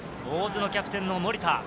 大津のキャプテンの森田。